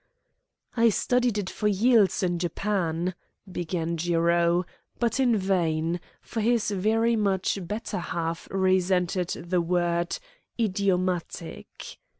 "I studied it for yeals in Japan " began Jiro, but in vain, for his very much better half resented the word "idiomatic."